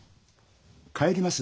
帰ります。